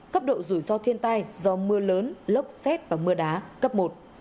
cấp độ rủi ro thiên tai do mưa lớn lốc xét và mưa đá cấp một